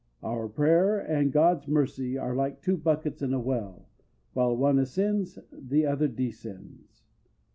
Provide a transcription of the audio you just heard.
Our prayer and God's mercy are like two buckets in a well; while one ascends the other descends.